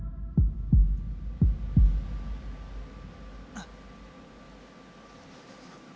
あっ。